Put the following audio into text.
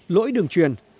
lỗi đường truyền